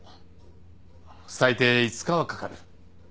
最低５日はかかる。